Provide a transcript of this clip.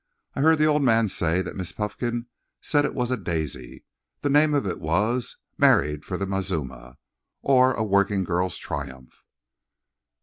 "I heard the old man say that Miss Puffkin said it was a daisy. The name of it was, 'Married for the Mazuma, or a Working Girl's Triumph.